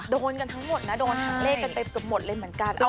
โดนกันทั้งหมดนะโดนทั้งเลขกันเต็มเกือบหมดเลยเหมือนกัน